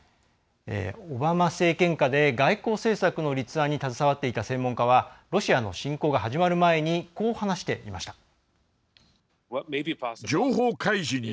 オバマ政権下で、外交政策の立案に携わっていた専門家はロシアの侵攻が始まる前にこう話していました。